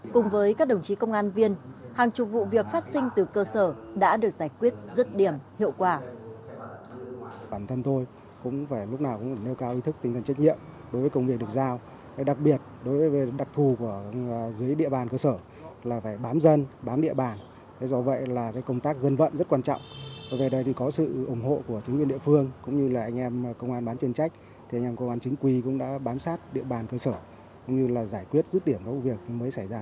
cùng với các đồng chí công an viên hàng chục vụ việc phát sinh từ cơ sở đã được giải quyết rất điểm hiệu quả